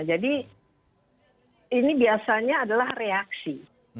jadi ini biasanya adalah reaksi